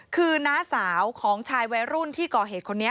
คือน้าสาวของชายวัยรุ่นที่ก่อเหตุคนนี้